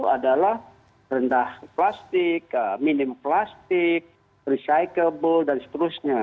adalah rendah plastik minim plastik recycle dan seterusnya